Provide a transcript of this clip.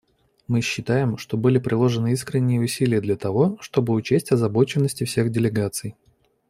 Мы считаем, что были приложены искренние усилия для того, чтобы учесть озабоченности всех делегаций.